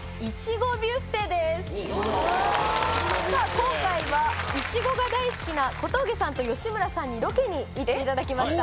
今回はいちごが大好きな小峠さんと吉村さんにロケに行っていただきました。